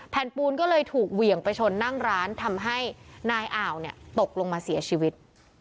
ปูนก็เลยถูกเหวี่ยงไปชนนั่งร้านทำให้นายอ่าวเนี่ยตกลงมาเสียชีวิต